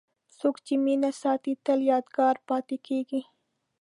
څوک چې مینه ساتي، تل یادګاري پاتې کېږي.